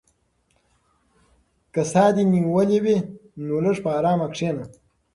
که ساه دې نیولې وي نو لږ په ارامه کښېنه.